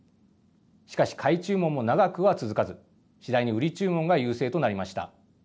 しかし、買い注文も長くは続かず、次第に売り注文が優勢となりました。